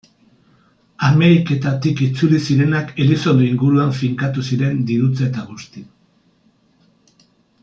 Ameriketatik itzuli zirenak Elizondo inguruan finkatu ziren dirutza eta guzti.